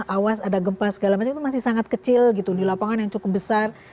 awas ada gempa segala macam itu masih sangat kecil gitu di lapangan yang cukup besar